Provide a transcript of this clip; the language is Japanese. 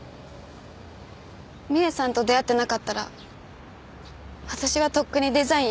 美絵さんと出会ってなかったら私はとっくにデザイン辞めてた。